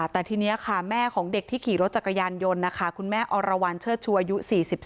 แต่ทีนี้ค่ะแม่ของเด็กที่ขี่รถจักรยานยนต์คุณแม่อรวรัวรเชื้อชั่วอยู่๔๓